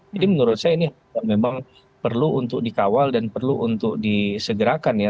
jadi menurut saya ini memang perlu untuk dikawal dan perlu untuk disegerakan ya